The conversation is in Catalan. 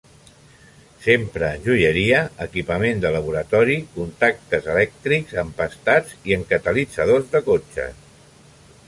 S'empra en joieria, equipament de laboratori, contactes elèctrics, empastats, i en catalitzadors de cotxes.